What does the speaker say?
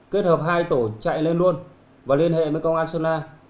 kết hợp hai tổ chạy lên luôn và liên hệ với công an sơn la